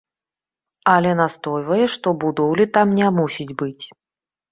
Але настойвае, што будоўлі там не мусіць быць.